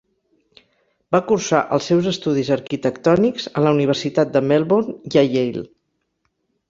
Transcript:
Va cursar els seus estudis arquitectònics a la Universitat de Melbourne i a Yale.